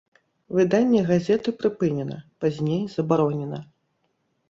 Выданне газеты прыпынена, пазней забаронена.